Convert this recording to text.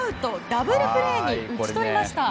ダブルプレーに打ち取りました。